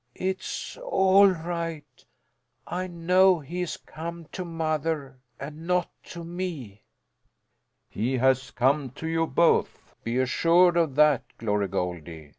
It's all right. I know he has come to mother, and not to me." "He has come to you both, be assured of that, Glory Goldie!"